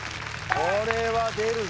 これは出る